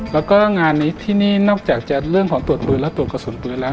แล้วก็งานนี้ที่นี่นอกจากจะเรื่องของตรวจปืนและตรวจกระสุนปืนแล้ว